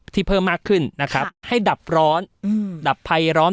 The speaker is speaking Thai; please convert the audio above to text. ที่เพิ่มมากขึ้นนะครับค่ะให้ดับร้อนอืมดับไพร้ร้อน